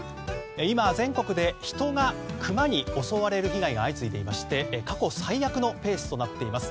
今、全国で人がクマに襲われる被害が相次いでいまして過去最悪のペースとなっています。